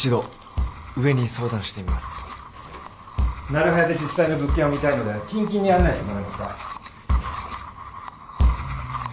なる早で実際の物件を見たいので近々に案内してもらえますか？